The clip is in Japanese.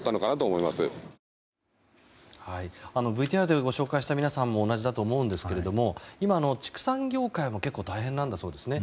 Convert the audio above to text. ＶＴＲでご紹介した皆さんも同じだと思うんですけど今、畜産業界も結構、大変なんだそうですね。